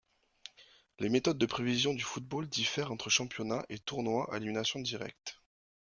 Les méthodes de prévision du football diffèrent entre championnat et tournoi à élimination directe.